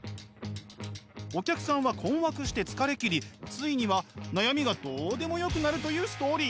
お客さんは困惑して疲れ切りついには悩みがどうでもよくなるというストーリー。